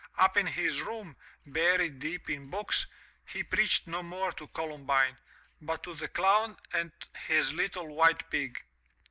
Up in his room, buried deep in books, he preached no more to Colimibine, but to the clown and his little white pig.